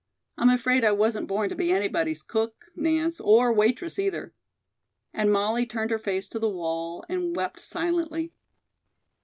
I'm afraid I wasn't born to be anybody's cook, Nance, or waitress, either." And Molly turned her face to the wall and wept silently.